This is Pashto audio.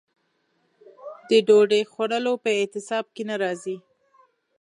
د ډوډۍ خوړلو په اعتصاب کې نه راځي.